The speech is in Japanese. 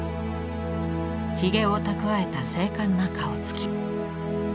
ひげを蓄えた精かんな顔つき。